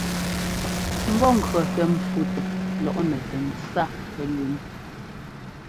Mbɔ́ŋkʉɔ́ sɛ́ ḿpfútɛ lɔ́ꞌnɛ tɛ ńtsa pɛlʉ́m.